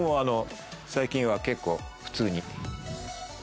最近は結構普通に。